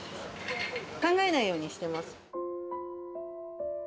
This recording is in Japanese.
考えないようにしてます。